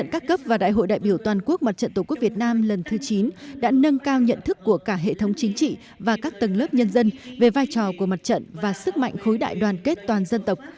và phát biểu toàn quốc mặt trận tổ quốc việt nam lần thứ chín đã nâng cao nhận thức của cả hệ thống chính trị và các tầng lớp nhân dân về vai trò của mặt trận và sức mạnh khối đại đoàn kết toàn dân tộc